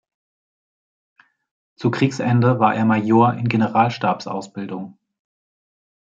Zu Kriegsende war er Major in Generalstabsausbildung.